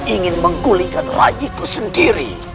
ingin menggulingkan rayiku sendiri